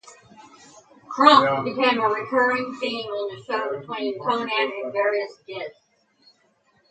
"Krunk" became a recurring theme on the show between Conan and various guests.